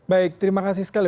baik terima kasih sekali